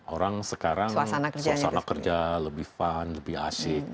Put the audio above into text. orang sekarang suasana kerja lebih fun lebih asik